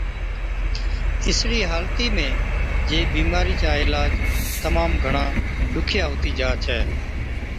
اِسڙِي حالتِي ۾ جي بِيمارِي چا عِلاج تمام گھڻا ڏُکِيا هُتِي جا ڇَي۔